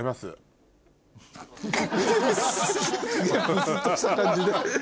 ムスっとした感じで。